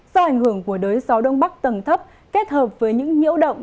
do ảnh hưởng của đới gió đông bắc tầng thấp kết hợp với những nhiễu động